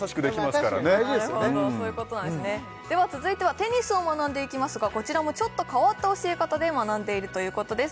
確かに大事ですよねでは続いてはテニスを学んでいきますがこちらもちょっと変わった教え方で学んでいるということです